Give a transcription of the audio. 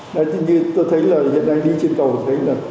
đấy như tôi thấy là hiện nay đi trên cầu thấy là